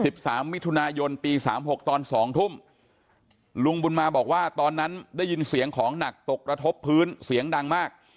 สามมิถุนายนปีสามหกตอนสองทุ่มลุงบุญมาบอกว่าตอนนั้นได้ยินเสียงของหนักตกกระทบพื้นเสียงดังมาก